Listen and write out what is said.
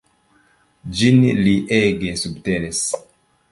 Ĝin li ege subtenis.